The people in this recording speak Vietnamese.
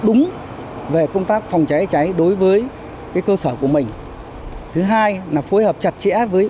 đúng về công tác phòng cháy cháy đối với cơ sở của mình thứ hai là phối hợp chặt chẽ với